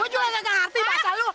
gua juga nggak ngerti bahasa lu